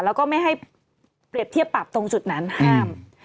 แล้วก็ไม่ให้เปรียบเทียบปรับตรงจุดนั้นห้าม